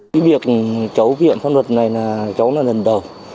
vì việc cháu viện pháp luật này là cháu là lần đầu